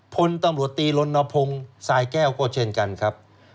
พลตำรวจตีลนพงศ์สายแก้วก็เช่นกันครับ